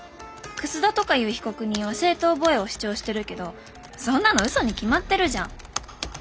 「楠田とかいう被告人は正当防衛を主張してるけどそんなの嘘に決まってるじゃん。